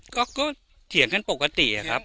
ก็เถียงกันปกติครับ